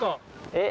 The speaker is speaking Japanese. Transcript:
えっ？